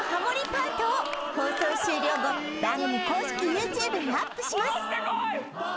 パートを放送終了後番組公式ＹｏｕＴｕｂｅにアップします